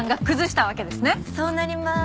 そうなりまーす。